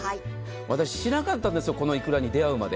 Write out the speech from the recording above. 私、知らなかったんですよ、このいくらに出会うまで。